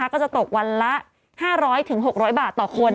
ก็จะตกวันละ๕๐๐๖๐๐บาทต่อคน